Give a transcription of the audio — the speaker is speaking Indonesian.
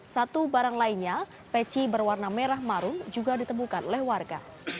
satu barang lainnya peci berwarna merah marung juga ditemukan oleh warga